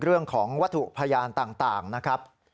เรื่องของวัตถุพะยานต่างนะครับ